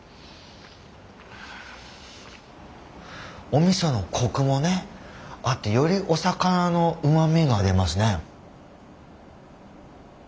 おみそのコクもねあってよりお魚のうまみが出ますね。